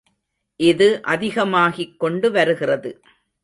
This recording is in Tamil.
இது அதிகமாகிக்கொண்டு வருகிறது.